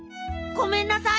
ごめんなさい。